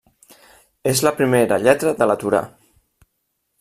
És la primera lletra de la Torà.